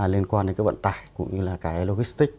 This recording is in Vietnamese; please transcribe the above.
liên quan đến cái vận tải cũng như là cái logistic